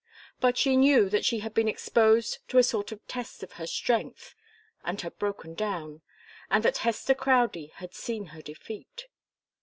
But she knew that she had been exposed to a sort of test of her strength, and had broken down, and that Hester Crowdie had seen her defeat.